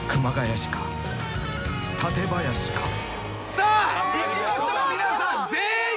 さあいきましょう皆さん。